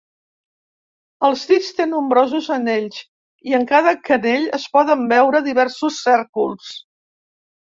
Als dits té nombrosos anells i en cada canell es poden veure diversos cèrcols.